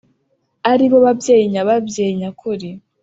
Ari bo babyeyi nyababyeyi nyakuri